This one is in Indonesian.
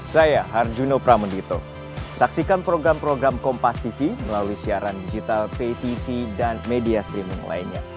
saya harjuno pramendito saksikan program program kompastv melalui siaran digital ptv dan media streaming lainnya